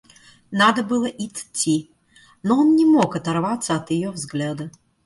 Надо было итти, но он не мог оторваться от ее взгляда.